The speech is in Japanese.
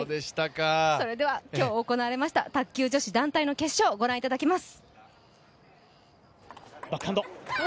それでは今日行われました、卓球女子団体の決勝、ご覧いただきます。